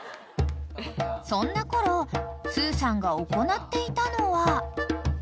［そんなころすーさんが行っていたのは］